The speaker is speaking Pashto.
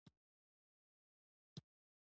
آیا شرکتونه باید ځمکه بیرته جوړه نکړي؟